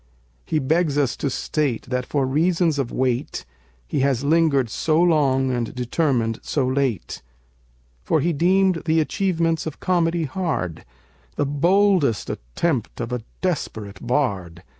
He begs us to state that for reasons of weight He has lingered so long and determined so late. For he deemed the achievements of comedy hard, The boldest attempt of a desperate bard!